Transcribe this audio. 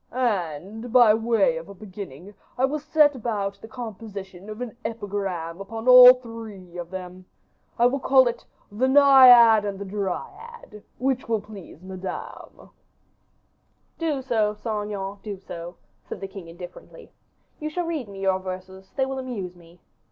"And, by way of a beginning, I will set about the composition of an epigram upon all three of them. I will call it 'The Naiad and Dryad,' which will please Madame." "Do so, Saint Aignan, do so," said the king, indifferently. "You shall read me your verses; they will amuse me.